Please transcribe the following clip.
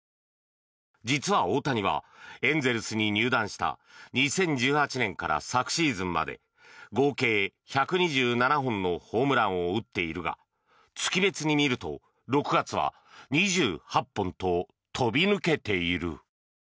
実は大谷はエンゼルスに入団した２０１８年から昨シーズンまで合計１２７本のホームランを打っているが月別に見ると６月は２８本と飛び抜けている。